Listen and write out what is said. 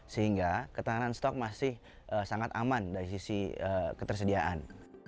sehingga ketahanan stok masih sangat aman dari sisi ketersediaan